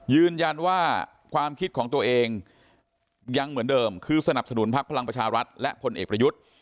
ยืนยันว่าความคิดของตัวเองยังเหมือนเดิมคือสนับสนุนพักพลังประชารัฐและพลเอกประยุทธ์